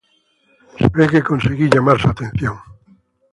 Se ve que conseguí llamar su atención.